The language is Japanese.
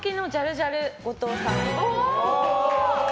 ジャル後藤さん。